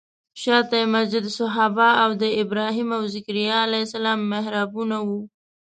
شاته یې مسجد صحابه او د ابراهیم او ذکریا علیه السلام محرابونه وو.